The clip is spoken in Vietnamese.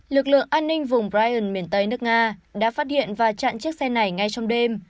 lực lượng an ninh vùng brien miền tây nước nga đã phát hiện và chặn chiếc xe này ngay trong đêm